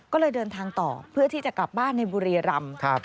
ก็เลยเดินทางต่อเพื่อที่จะกลับบ้านในบุรีรำ